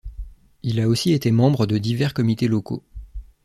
Il a aussi été membres de divers comités locaux.